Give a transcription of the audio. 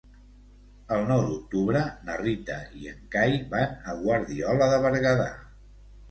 El nou d'octubre na Rita i en Cai van a Guardiola de Berguedà.